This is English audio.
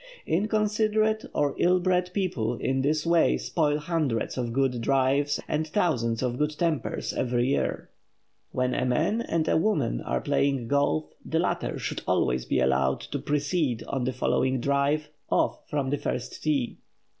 Inconsiderate or ill bred people in this way spoil hundreds of good drives and thousands of good tempers every year. When a man and a woman are playing golf, the latter should always be allowed to precede on the first drive off from the first tee.